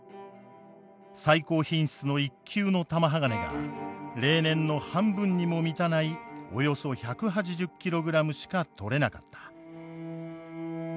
最高品質の一級の玉鋼が例年の半分にも満たないおよそ１８０キログラムしかとれなかった。